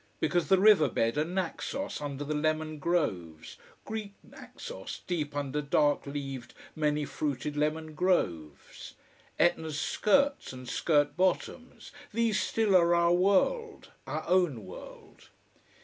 Because the river bed, and Naxos under the lemon groves, Greek Naxos deep under dark leaved, many fruited lemon groves, Etna's skirts and skirt bottoms, these still are our world, our own world.